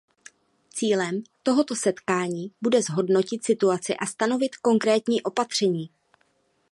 Cílem tohoto setkání bude zhodnotit situaci a stanovit konkrétní opatření.